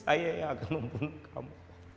saya akan membunuh kamu